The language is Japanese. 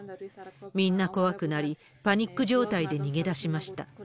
みんな怖くなり、パニック状態で逃げ出しました。